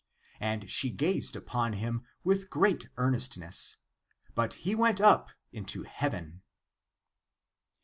And she gazed upon him with great earnestness, but he went up into heaven.